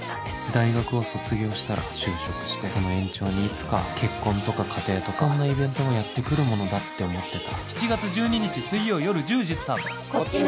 大学を卒業したら就職してその延長にいつか結婚とか家庭とかそんなイベントもやって来るものだって思ってた。